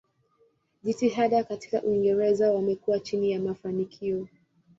Jitihada katika Uingereza wamekuwa chini ya mafanikio.